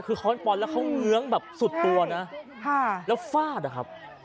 คือค้อนปอนดแล้วเขาเงื้องแบบสุดตัวนะแล้วฟาดอะครับ